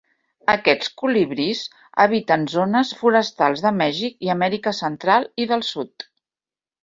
Aquests colibrís habiten zones forestals de Mèxic i Amèrica Central i del Sud.